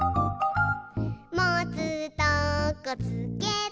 「もつとこつけて」